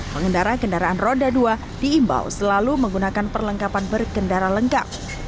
pengendara kendaraan roda dua diimbau selalu menggunakan perlengkapan berkendara lengkap